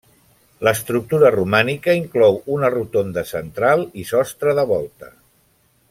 L'estructura Romànica inclou una rotonda central i sostre de volta.